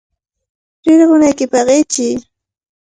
¡Rirqunaykipaq ichiy!